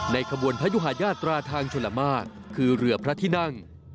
ขบวนพระยุหาญาตราทางชลมากคือเรือพระที่นั่ง